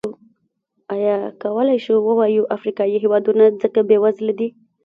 ایا کولای شو ووایو افریقايي هېوادونه ځکه بېوزله دي.